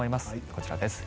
こちらです。